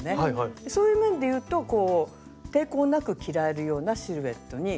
そういう面で言うと抵抗なく着られるようなシルエットにしてます。